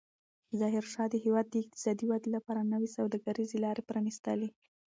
ظاهرشاه د هېواد د اقتصادي ودې لپاره نوې سوداګریزې لارې پرانستلې.